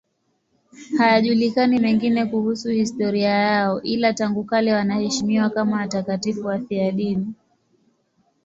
Hayajulikani mengine kuhusu historia yao, ila tangu kale wanaheshimiwa kama watakatifu wafiadini.